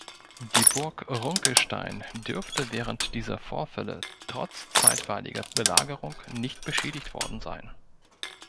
Die Burg Runkelstein dürfte während dieser Vorfälle trotz zeitweiliger Belagerung nicht beschädigt worden sein.